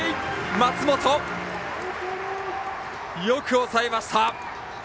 松本、よく抑えました。